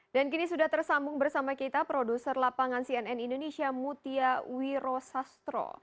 dan kini sudah tersambung bersama kita produser lapangan cnn indonesia mutia wiro sastro